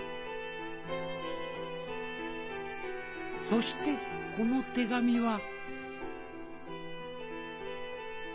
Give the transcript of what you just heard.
そしてこの手紙は？